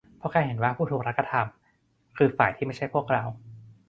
เพราะแค่เห็นว่าผู้ถูกรัฐกระทำคือฝ่ายที่ไม่ใช่พวกเรา